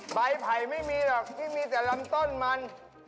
ไผ่ไม่มีหรอกที่มีแต่ลำต้นมัน